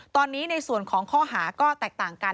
ตอนนี้ในส่วนของข้อหาก็แตกต่างกัน